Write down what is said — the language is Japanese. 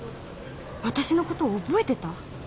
私のこと覚えてた？